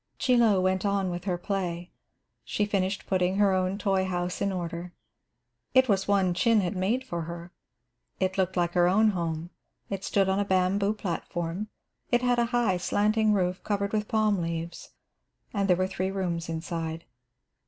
Chie Lo went on with her play. She finished putting her own toy house in order. It was one Chin had made for her. It looked like her own home, it stood on a bamboo platform, it had a high, slanting roof, covered with palm leaves, and there were three rooms inside.